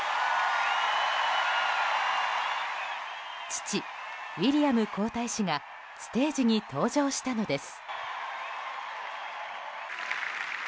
父ウィリアム皇太子がステージに登場したのです。